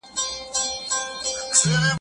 له دومره خزانو سره ولاړ دی ارماني